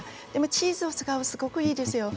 チーズを使うとすごくいいですよ。